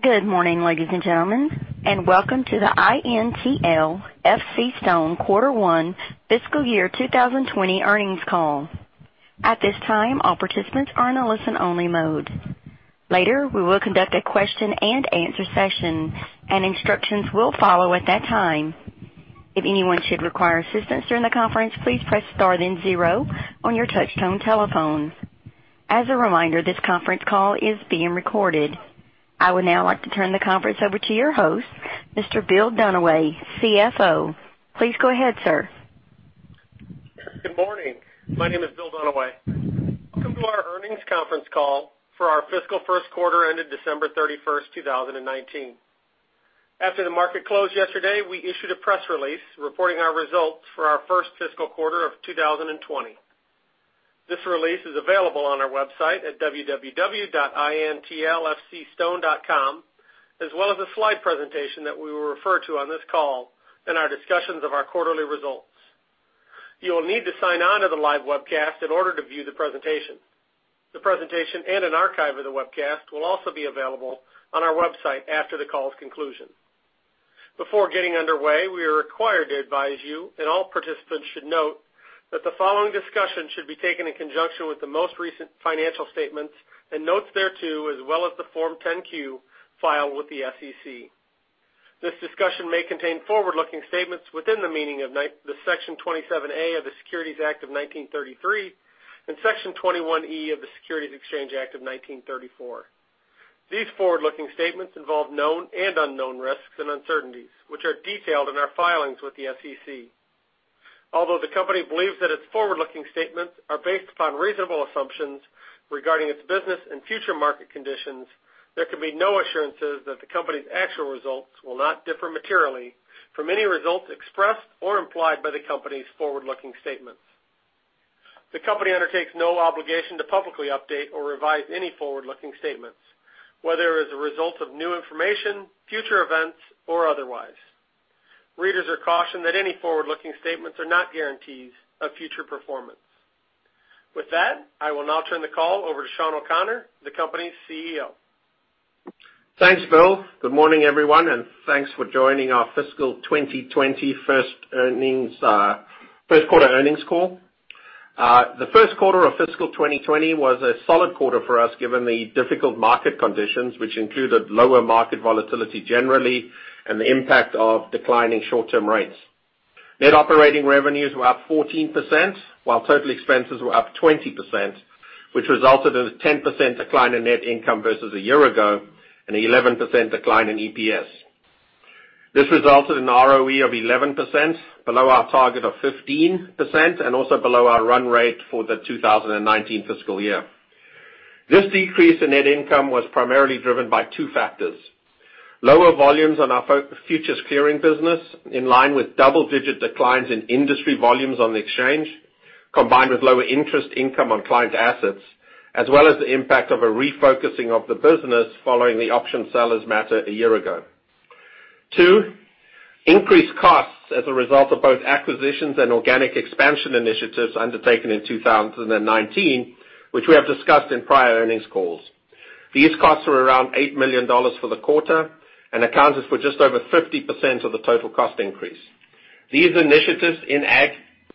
Good morning, ladies and gentlemen, and welcome to the INTL FCStone quarter one fiscal year 2020 earnings call. At this time, all participants are in a listen-only mode. Later, we will conduct a question and answer session, and instructions will follow at that time. If anyone should require assistance during the conference, please press star then zero on your touchtone telephone. As a reminder, this conference call is being recorded. I would now like to turn the conference over to your host, Mr. Bill Dunaway, CFO. Please go ahead, sir. Good morning. My name is Bill Dunaway. Welcome to our earnings conference call for our fiscal first quarter ended December 31st, 2019. After the market closed yesterday, we issued a press release reporting our results for our first fiscal quarter of 2020. This release is available on our website at www.intlfcstone.com, as well as a slide presentation that we will refer to on this call in our discussions of our quarterly results. You will need to sign on to the live webcast in order to view the presentation. The presentation and an archive of the webcast will also be available on our website after the call's conclusion. Before getting underway, we are required to advise you, and all participants should note, that the following discussion should be taken in conjunction with the most recent financial statements and notes thereto, as well as the Form 10-Q filed with the SEC. This discussion may contain forward-looking statements within the meaning of Section 27A of the Securities Act of 1933 and Section 21E of the Securities Exchange Act of 1934. These forward-looking statements involve known and unknown risks and uncertainties, which are detailed in our filings with the SEC. Although the company believes that its forward-looking statements are based upon reasonable assumptions regarding its business and future market conditions, there can be no assurances that the company's actual results will not differ materially from any results expressed or implied by the company's forward-looking statements. The company undertakes no obligation to publicly update or revise any forward-looking statements, whether as a result of new information, future events, or otherwise. Readers are cautioned that any forward-looking statements are not guarantees of future performance. With that, I will now turn the call over to Sean O'Connor, the company's CEO. Thanks, Bill. Good morning, everyone, and thanks for joining our fiscal 2020 first quarter earnings call. The first quarter of fiscal 2020 was a solid quarter for us, given the difficult market conditions, which included lower market volatility generally and the impact of declining short-term rates. Net operating revenues were up 14%, while total expenses were up 20%, which resulted in a 10% decline in net income versus a year ago and an 11% decline in EPS. This resulted in an ROE of 11%, below our target of 15% and also below our run rate for the 2019 fiscal year. This decrease in net income was primarily driven by two factors. Lower volumes on our futures clearing business, in line with double-digit declines in industry volumes on the exchange, combined with lower interest income on client assets, as well as the impact of a refocusing of the business following the OptionSellers.com matter a year ago. Two, increased costs as a result of both acquisitions and organic expansion initiatives undertaken in 2019, which we have discussed in prior earnings calls. These costs were around $8 million for the quarter and accounted for just over 50% of the total cost increase. These initiatives in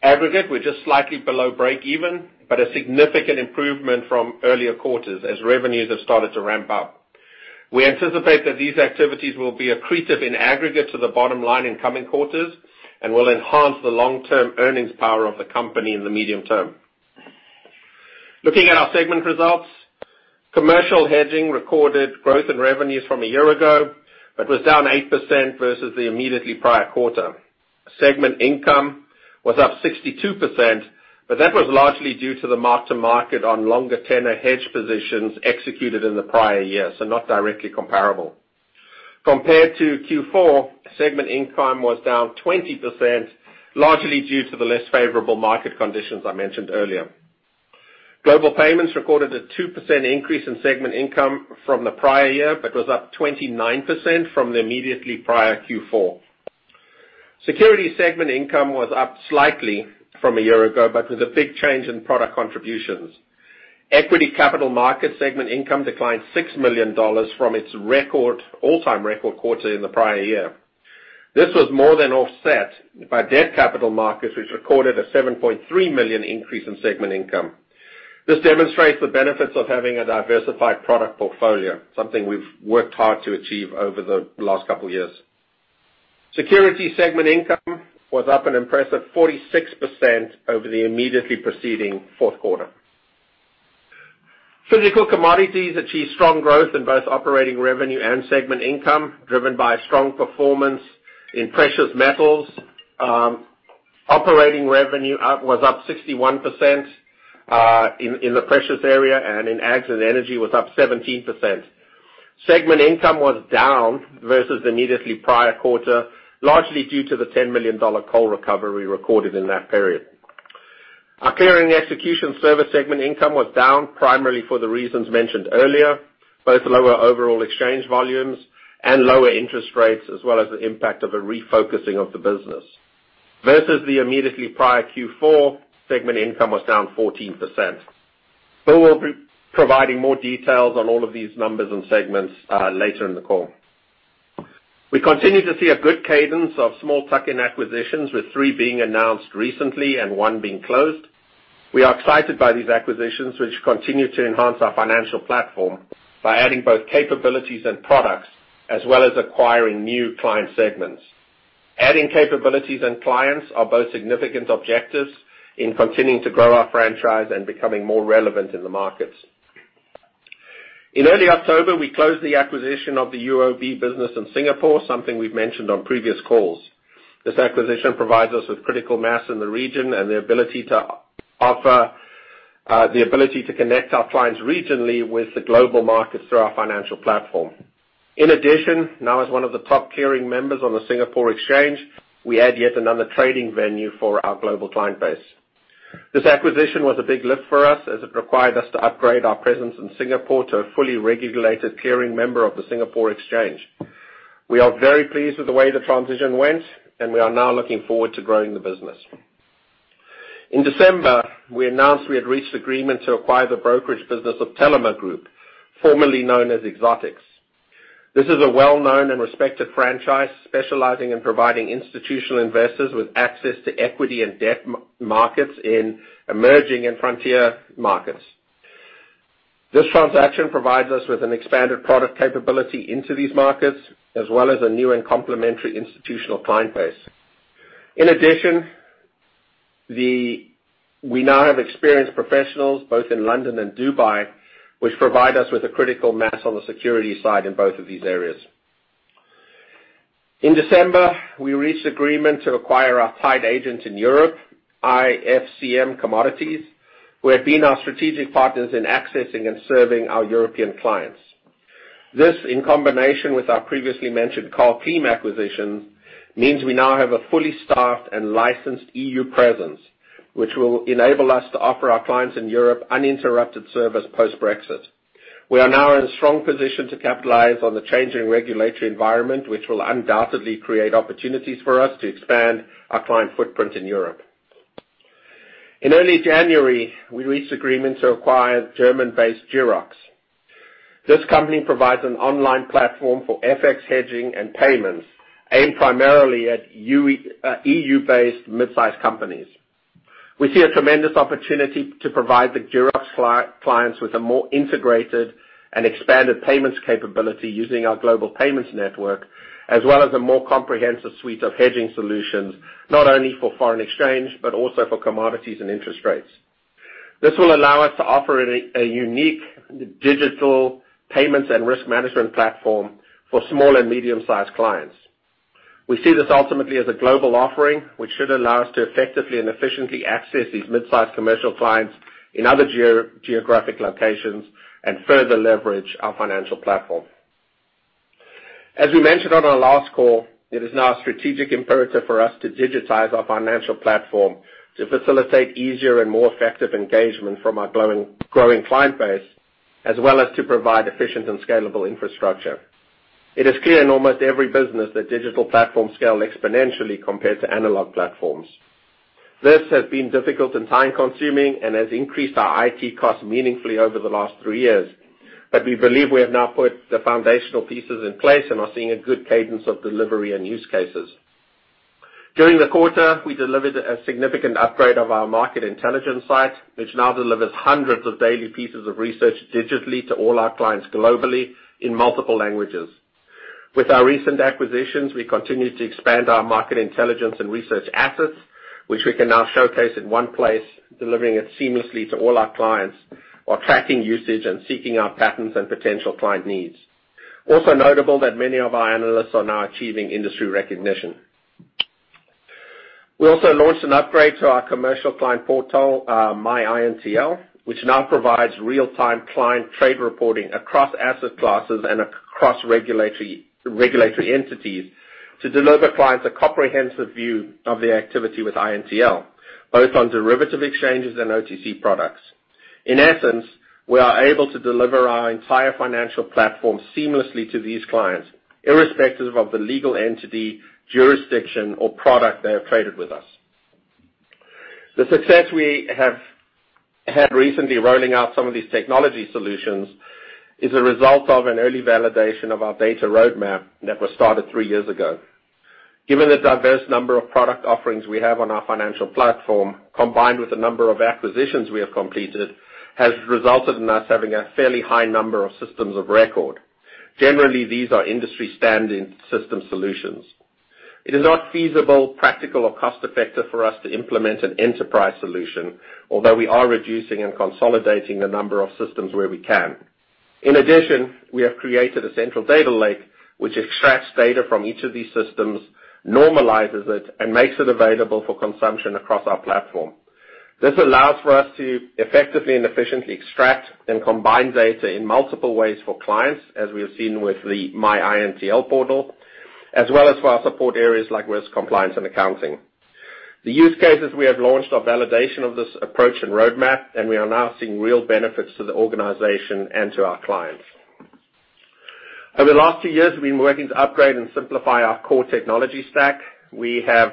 aggregate were just slightly below break even, but a significant improvement from earlier quarters as revenues have started to ramp up. We anticipate that these activities will be accretive in aggregate to the bottom line in coming quarters and will enhance the long-term earnings power of the company in the medium term. Looking at our segment results, commercial hedging recorded growth in revenues from a year ago, but was down 8% versus the immediately prior quarter. Segment income was up 62%, but that was largely due to the mark-to-market on longer tenor hedge positions executed in the prior year, so not directly comparable. Compared to Q4, segment income was down 20%, largely due to the less favorable market conditions I mentioned earlier. Global payments recorded a 2% increase in segment income from the prior year, but was up 29% from the immediately prior Q4. Security segment income was up slightly from a year ago, but with a big change in product contributions. Equity capital market segment income declined $6 million from its all-time record quarter in the prior year. This was more than offset by debt capital markets, which recorded a $7.3 million increase in segment income. This demonstrates the benefits of having a diversified product portfolio, something we've worked hard to achieve over the last couple of years. Security segment income was up an impressive 46% over the immediately preceding fourth quarter. Physical commodities achieved strong growth in both operating revenue and segment income, driven by strong performance in precious metals. Operating revenue was up 61% in the precious area, and in ags and energy was up 17%. Segment income was down versus the immediately prior quarter, largely due to the $10 million coal recovery recorded in that period. Our clearing execution service segment income was down primarily for the reasons mentioned earlier, both lower overall exchange volumes and lower interest rates, as well as the impact of a refocusing of the business. Versus the immediately prior Q4, segment income was down 14%. We'll be providing more details on all of these numbers and segments later in the call. We continue to see a good cadence of small tuck-in acquisitions, with three being announced recently and one being closed. We are excited by these acquisitions, which continue to enhance our financial platform by adding both capabilities and products, as well as acquiring new client segments. Adding capabilities and clients are both significant objectives in continuing to grow our franchise and becoming more relevant in the markets. In early October, we closed the acquisition of the UOB business in Singapore, something we've mentioned on previous calls. This acquisition provides us with critical mass in the region and the ability to connect our clients regionally with the global markets through our financial platform. In addition, now as one of the top clearing members on the Singapore Exchange, we add yet another trading venue for our global client base. This acquisition was a big lift for us as it required us to upgrade our presence in Singapore to a fully regulated clearing member of the Singapore Exchange. We are very pleased with the way the transition went, we are now looking forward to growing the business. In December, we announced we had reached agreement to acquire the brokerage business of Tellimer Group, formerly known as Exotix. This is a well-known and respected franchise specializing in providing institutional investors with access to equity and debt markets in emerging and frontier markets. This transaction provides us with an expanded product capability into these markets, as well as a new and complementary institutional client base. In addition, we now have experienced professionals both in London and Dubai, which provide us with a critical mass on the security side in both of these areas. In December, we reached agreement to acquire our paid agent in Europe, IFCM Commodities, who have been our strategic partners in accessing and serving our European clients. This, in combination with our previously mentioned Carl Kliem acquisition, means we now have a fully staffed and licensed EU presence, which will enable us to offer our clients in Europe uninterrupted service post-Brexit. We are now in a strong position to capitalize on the changing regulatory environment, which will undoubtedly create opportunities for us to expand our client footprint in Europe. In early January, we reached agreement to acquire German-based Giroxx. This company provides an online platform for FX hedging and payments aimed primarily at EU-based mid-size companies. We see a tremendous opportunity to provide the Giroxx clients with a more integrated and expanded payments capability using our global payments network, as well as a more comprehensive suite of hedging solutions, not only for foreign exchange, but also for commodities and interest rates. This will allow us to offer a unique digital payments and risk management platform for small and medium-sized clients. We see this ultimately as a global offering, which should allow us to effectively and efficiently access these mid-size commercial clients in other geographic locations and further leverage our financial platform. As we mentioned on our last call, it is now a strategic imperative for us to digitize our financial platform to facilitate easier and more effective engagement from our growing client base, as well as to provide efficient and scalable infrastructure. It is clear in almost every business that digital platforms scale exponentially compared to analog platforms. This has been difficult and time-consuming and has increased our IT costs meaningfully over the last three years. We believe we have now put the foundational pieces in place and are seeing a good cadence of delivery and use cases. During the quarter, we delivered a significant upgrade of our market intelligence site, which now delivers hundreds of daily pieces of research digitally to all our clients globally in multiple languages. With our recent acquisitions, we continue to expand our market intelligence and research assets, which we can now showcase in one place, delivering it seamlessly to all our clients while tracking usage and seeking out patterns and potential client needs. Also notable that many of our analysts are now achieving industry recognition. We also launched an upgrade to our commercial client portal, MyINTL, which now provides real-time client trade reporting across asset classes and across regulatory entities to deliver clients a comprehensive view of their activity with INTL, both on derivative exchanges and OTC products. In essence, we are able to deliver our entire financial platform seamlessly to these clients, irrespective of the legal entity, jurisdiction, or product they have traded with us. The success we have had recently rolling out some of these technology solutions is a result of an early validation of our data roadmap that was started three years ago. Given the diverse number of product offerings we have on our financial platform, combined with the number of acquisitions we have completed, has resulted in us having a fairly high number of systems of record. Generally, these are industry-standard system solutions. It is not feasible, practical, or cost-effective for us to implement an enterprise solution, although we are reducing and consolidating the number of systems where we can. In addition, we have created a central data lake, which extracts data from each of these systems, normalizes it, and makes it available for consumption across our platform. This allows for us to effectively and efficiently extract and combine data in multiple ways for clients, as we have seen with the MyINTL portal, as well as for our support areas like risk compliance and accounting. The use cases we have launched are validation of this approach and roadmap, and we are now seeing real benefits to the organization and to our clients. Over the last two years, we've been working to upgrade and simplify our core technology stack. We have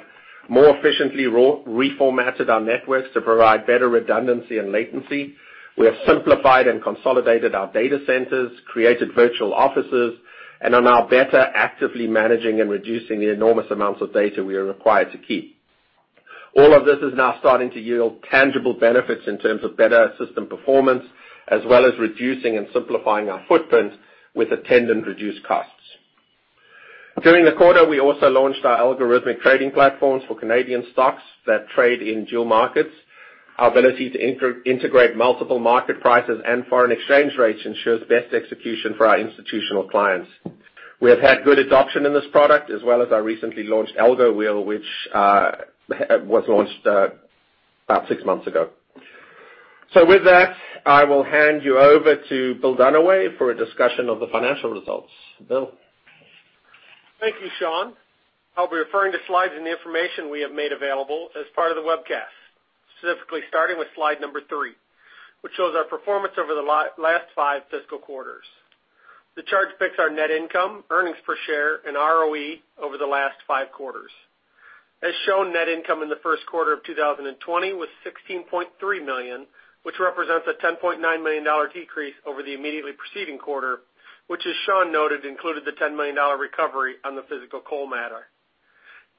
more efficiently reformatted our networks to provide better redundancy and latency. We have simplified and consolidated our data centers, created virtual offices, and are now better actively managing and reducing the enormous amounts of data we are required to keep. All of this is now starting to yield tangible benefits in terms of better system performance, as well as reducing and simplifying our footprint with attendant reduced costs. During the quarter, we also launched our algorithmic trading platforms for Canadian stocks that trade in dual markets. Our ability to integrate multiple market prices and foreign exchange rates ensures best execution for our institutional clients. We have had good adoption in this product, as well as our recently launched Algo Wheel, which was launched about six months ago. With that, I will hand you over to Bill Dunaway for a discussion of the financial results. Bill? Thank you, Sean. I'll be referring to slides and the information we have made available as part of the webcast, specifically starting with slide number three, which shows our performance over the last five fiscal quarters. The chart depicts our net income, earnings per share and ROE over the last five quarters. As shown, net income in the first quarter of 2020 was $16.3 million, which represents a $10.9 million decrease over the immediately preceding quarter, which, as Sean noted, included the $10 million recovery on the physical coal matter,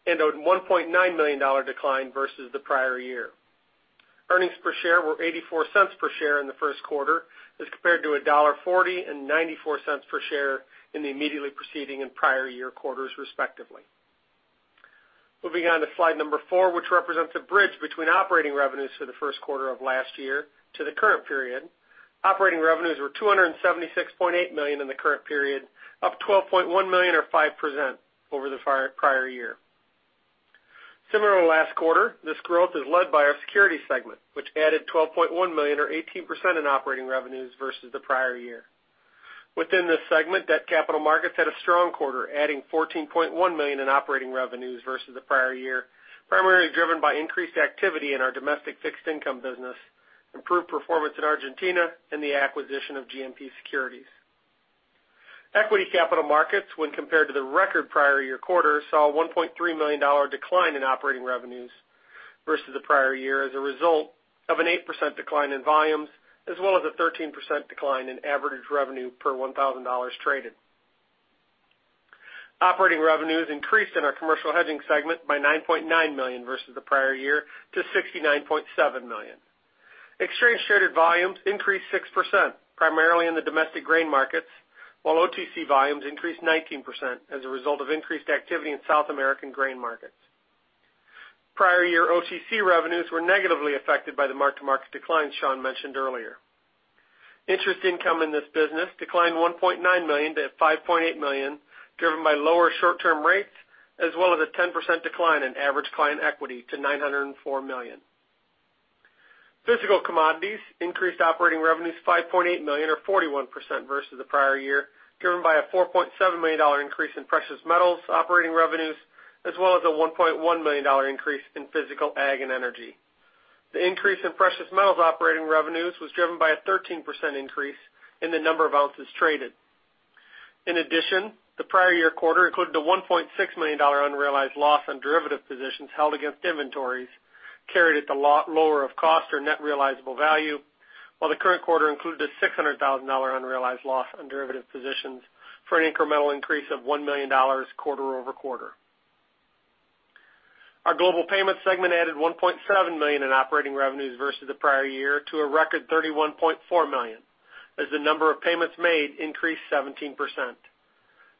and a $1.9 million decline versus the prior year. Earnings per share were $0.84 per share in the first quarter as compared to $1.40 and $0.94 per share in the immediately preceding and prior year quarters, respectively. Moving on to slide number four, which represents a bridge between operating revenues for the first quarter of last year to the current period. Operating revenues were $276.8 million in the current period, up $12.1 million or 5% over the prior year. Similar to last quarter, this growth is led by our security segment, which added $12.1 million or 18% in operating revenues versus the prior year. Within this segment, debt capital markets had a strong quarter, adding $14.1 million in operating revenues versus the prior year, primarily driven by increased activity in our domestic fixed income business, improved performance in Argentina, and the acquisition of GMP Securities. Equity capital markets, when compared to the record prior year quarter, saw a $1.3 million decline in operating revenues versus the prior year as a result of an 8% decline in volumes, as well as a 13% decline in average revenue per $1,000 traded. Operating revenues increased in our commercial hedging segment by $9.9 million versus the prior year to $69.7 million. Exchange traded volumes increased 6%, primarily in the domestic grain markets, while OTC volumes increased 19% as a result of increased activity in South American grain markets. Prior year OTC revenues were negatively affected by the mark-to-market decline Sean mentioned earlier. Interest income in this business declined $1.9 million to $5.8 million, driven by lower short-term rates, as well as a 10% decline in average client equity to $904 million. Physical commodities increased operating revenues $5.8 million or 41% versus the prior year, driven by a $4.7 million increase in precious metals operating revenues, as well as a $1.1 million increase in physical ag and energy. The increase in precious metals operating revenues was driven by a 13% increase in the number of ounces traded. In addition, the prior year quarter included a $1.6 million unrealized loss on derivative positions held against inventories carried at the lower of cost or net realizable value, while the current quarter included a $600,000 unrealized loss on derivative positions for an incremental increase of $1 million quarter-over-quarter. Our global payments segment added $1.7 million in operating revenues versus the prior year to a record $31.4 million as the number of payments made increased 17%.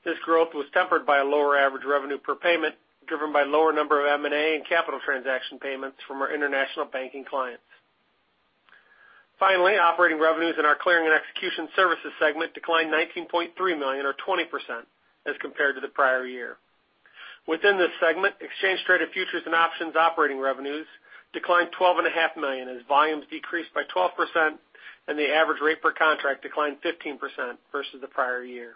This growth was tempered by a lower average revenue per payment, driven by lower number of M&A and capital transaction payments from our international banking clients. Operating revenues in our Clearing and Execution Services segment declined $19.3 million or 20% as compared to the prior year. Within this segment, exchange traded futures and options operating revenues declined $12.5 million as volumes decreased by 12%, and the average rate per contract declined 15% versus the prior year.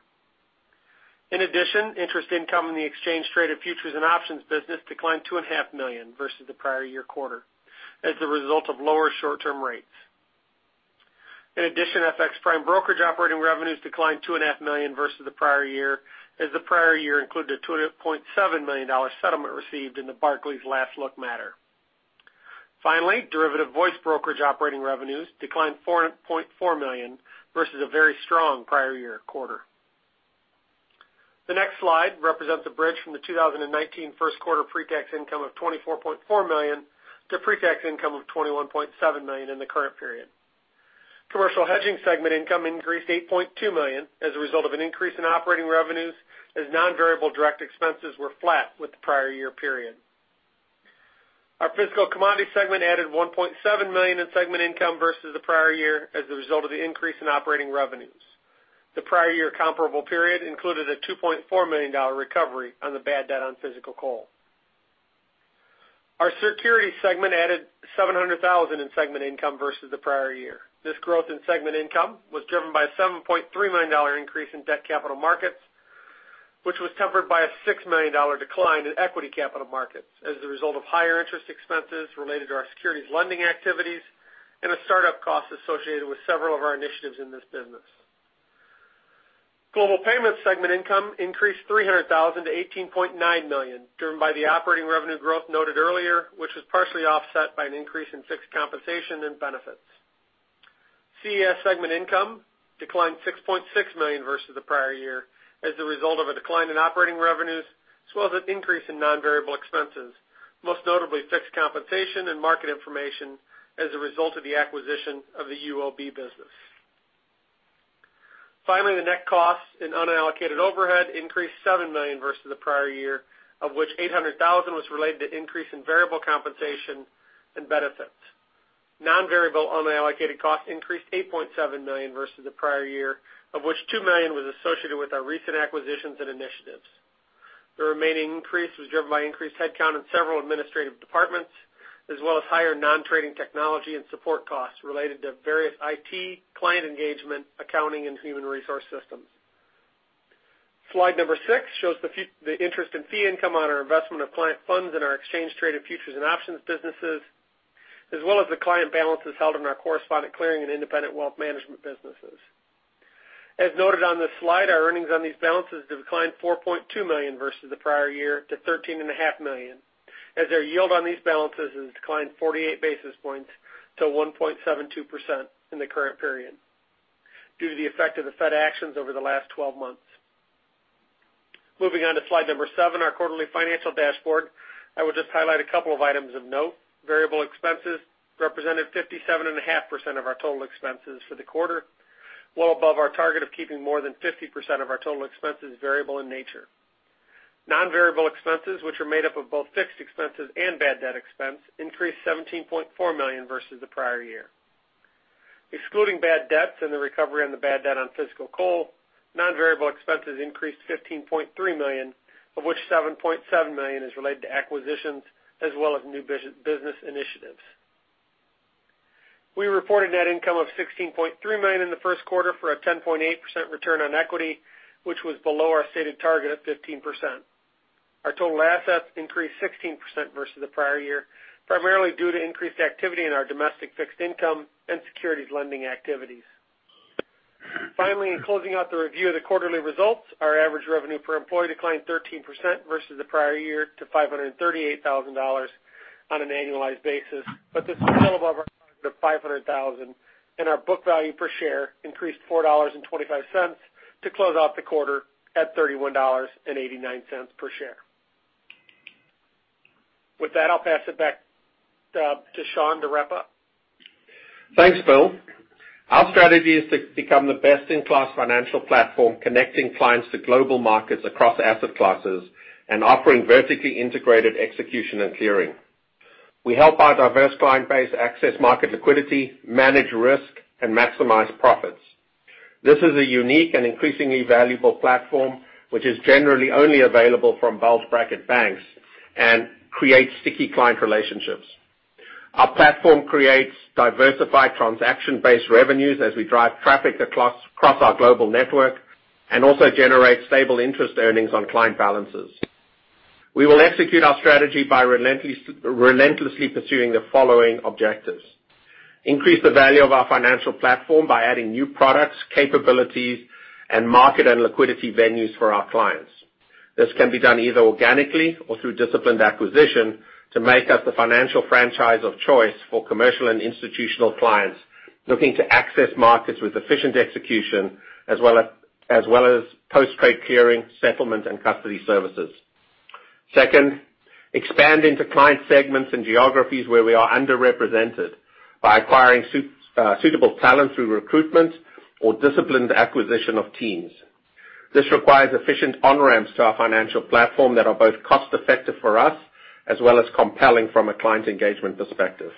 In addition, interest income in the exchange traded futures and options business declined $2.5 million versus the prior year quarter as a result of lower short-term rates. In addition, FX prime brokerage operating revenues declined $2.5 million versus the prior year, as the prior year included a $2.7 million settlement received in the Barclays Last Look matter. Finally, derivative voice brokerage operating revenues declined $4.4 million versus a very strong prior year quarter. The next slide represents a bridge from the 2019 first quarter pre-tax income of $24.4 million to pre-tax income of $21.7 million in the current period. Commercial hedging segment income increased $8.2 million as a result of an increase in operating revenues, as non-variable direct expenses were flat with the prior year period. Our physical commodity segment added $1.7 million in segment income versus the prior year as a result of the increase in operating revenues. The prior year comparable period included a $2.4 million recovery on the bad debt on physical coal. Our security segment added $700,000 in segment income versus the prior year. This growth in segment income was driven by a $7.3 million increase in Debt Capital Markets, which was tempered by a $6 million decline in Equity Capital Markets as a result of higher interest expenses related to our securities lending activities and a startup cost associated with several of our initiatives in this business. Global Payments segment income increased $300,000 to $18.9 million, driven by the operating revenue growth noted earlier, which was partially offset by an increase in fixed compensation and benefits. CES segment income declined $6.6 million versus the prior year as a result of a decline in operating revenues, as well as an increase in non-variable expenses, most notably fixed compensation and market information as a result of the acquisition of the UOB business. Finally, the net cost in unallocated overhead increased $7 million versus the prior year, of which $800,000 was related to increase in variable compensation and benefits. Non-variable unallocated costs increased $8.7 million versus the prior year, of which $2 million was associated with our recent acquisitions and initiatives. The remaining increase was driven by increased headcount in several administrative departments, as well as higher non-trading technology and support costs related to various IT, client engagement, accounting, and human resource systems. Slide number 6 shows the interest in fee income on our investment of client funds in our exchange traded futures and options businesses, as well as the client balances held in our correspondent clearing and independent wealth management businesses. As noted on this slide, our earnings on these balances have declined $4.2 million versus the prior year to $13.5 million, as our yield on these balances has declined 48 basis points to 1.72% in the current period due to the effect of the Fed actions over the last 12 months. Moving on to slide number seven, our quarterly financial dashboard. I would just highlight a couple of items of note. Variable expenses represented 57.5% of our total expenses for the quarter, well above our target of keeping more than 50% of our total expenses variable in nature. Non-variable expenses, which are made up of both fixed expenses and bad debt expense, increased $17.4 million versus the prior year. Excluding bad debts and the recovery on the bad debt on physical coal, non-variable expenses increased $15.3 million, of which $7.7 million is related to acquisitions as well as new business initiatives. We reported net income of $16.3 million in the first quarter for a 10.8% return on equity, which was below our stated target of 15%. Our total assets increased 16% versus the prior year, primarily due to increased activity in our domestic fixed income and securities lending activities. Finally, in closing out the review of the quarterly results, our average revenue per employee declined 13% versus the prior year to $538,000 on an annualized basis. This is well above our target of $500,000, and our book value per share increased $4.25 to close out the quarter at $31.89 per share. With that, I'll pass it back to Sean to wrap up. Thanks, Bill. Our strategy is to become the best-in-class financial platform, connecting clients to global markets across asset classes and offering vertically integrated execution and clearing. We help our diverse client base access market liquidity, manage risk, and maximize profits. This is a unique and increasingly valuable platform, which is generally only available from bulge bracket banks and creates sticky client relationships. Our platform creates diversified transaction-based revenues as we drive traffic across our global network and also generates stable interest earnings on client balances. We will execute our strategy by relentlessly pursuing the following objectives: increase the value of our financial platform by adding new products, capabilities, and market and liquidity venues for our clients. This can be done either organically or through disciplined acquisition to make us the financial franchise of choice for commercial and institutional clients looking to access markets with efficient execution as well as post-trade clearing, settlement, and custody services. Second, expand into client segments and geographies where we are underrepresented by acquiring suitable talent through recruitment or disciplined acquisition of teams. This requires efficient on-ramps to our financial platform that are both cost-effective for us, as well as compelling from a client engagement perspective.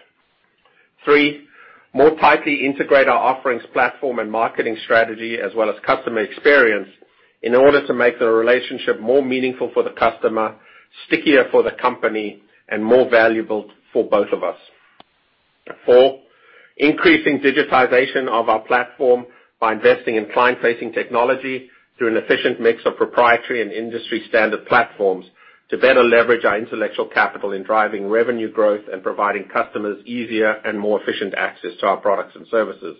Three, more tightly integrate our offerings platform and marketing strategy, as well as customer experience, in order to make the relationship more meaningful for the customer, stickier for the company, and more valuable for both of us. Four, increasing digitization of our platform by investing in client-facing technology through an efficient mix of proprietary and industry-standard platforms to better leverage our intellectual capital in driving revenue growth and providing customers easier and more efficient access to our products and services.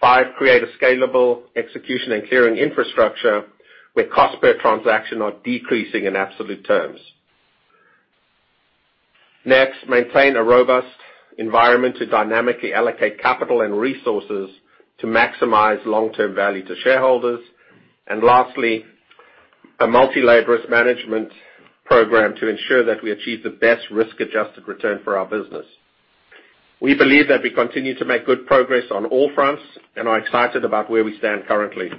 Five, create a scalable execution and clearing infrastructure where cost per transaction are decreasing in absolute terms. Maintain a robust environment to dynamically allocate capital and resources to maximize long-term value to shareholders. Lastly, a multi-layered risk management program to ensure that we achieve the best risk-adjusted return for our business. We believe that we continue to make good progress on all fronts and are excited about where we stand currently.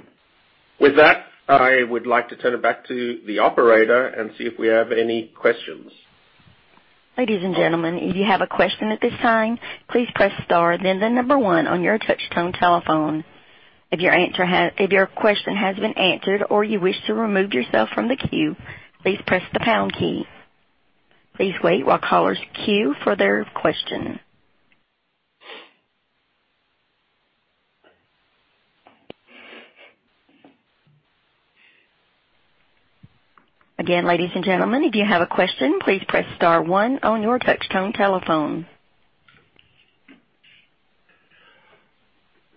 With that, I would like to turn it back to the operator and see if we have any questions. Ladies and gentlemen, if you have a question at this time, please press star then the number one on your touch-tone telephone. If your question has been answered or you wish to remove yourself from the queue, please press the pound key. Please wait while callers queue for their question. Again, ladies and gentlemen, if you have a question, please press star one on your touch-tone telephone.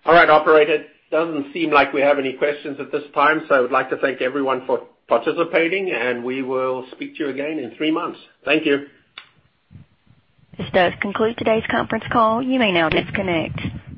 All right, operator. Doesn't seem like we have any questions at this time, so I would like to thank everyone for participating, and we will speak to you again in three months. Thank you. This does conclude today's conference call. You may now disconnect.